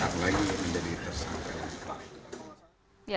kepala kepala kepala